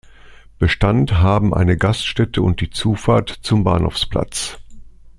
Bestand haben eine Gaststätte und die Zufahrt zum Bahnhofsplatz.